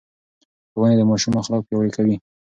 ښوونې د ماشوم اخلاق پياوړي کوي.